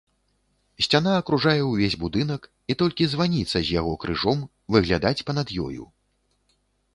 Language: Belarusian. Сцяна акружае ўвесь будынак, і толькі званіца з яго крыжом выглядаць па-над ёю.